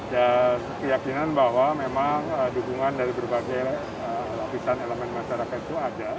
dan keyakinan bahwa memang dukungan dari berbagai lapisan elemen masyarakat itu ada